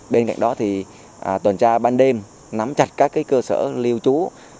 bên cạnh đó tuần tra ban đêm nắm chặt các cơ sở lưu trú